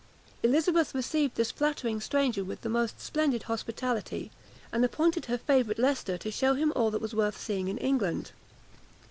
Elizabeth received this flattering stranger with the most splendid hospitality, and appointed her favourite Leicester to shew him all that was worth seeing in England.